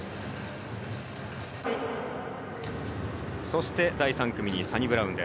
そして、第３組にサニブラウン。